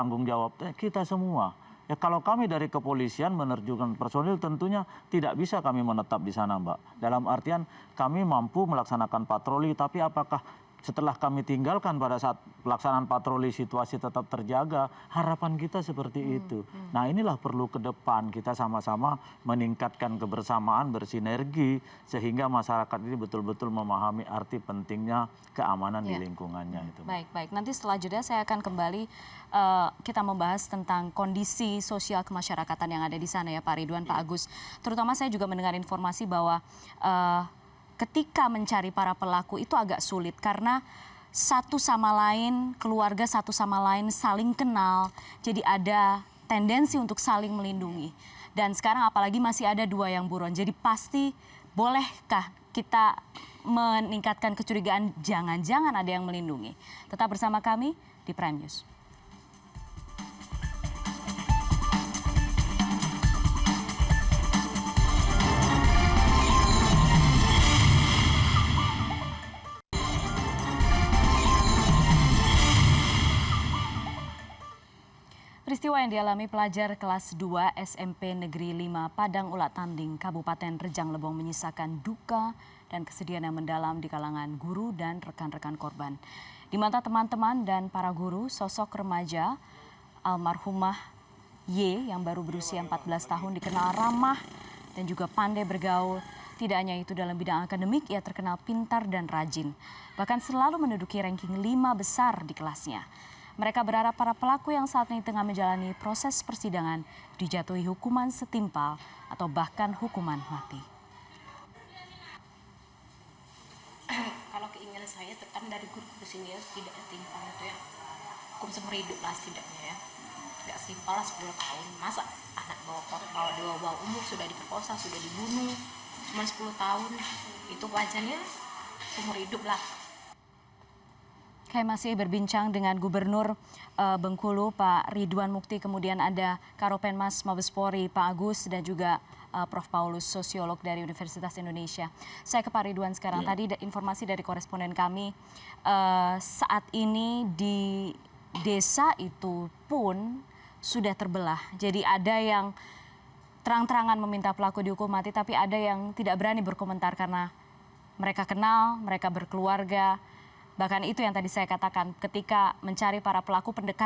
nah ini tentunya tidak bisa dipertanggungjawabkan kepada pak gubernur kepada kepolisian mungkin juga kepada pemerintah yang ada di sana